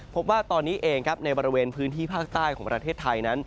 พบว่าตอนนี้เองครับในบริเวณพื้นที่ภาคใต้ของประเทศไทยนั้น